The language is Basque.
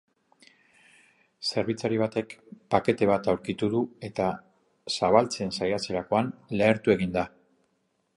Zerbitzari batek pakete bat aurkitu du eta zabaltzen saiatzerakoan lehertu egin da.